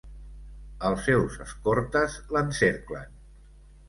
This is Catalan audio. Els seus escortes l'encerclen.